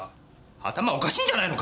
頭おかしいんじゃないのか！？